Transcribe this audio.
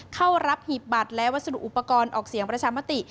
เข้ารับหีบบัตรและวัสดุอุปกรณ์ออกเสียงประชามติ